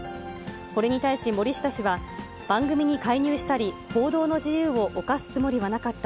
これに対し、森下氏は、番組に介入したり、報道の自由を侵すつもりはなかった。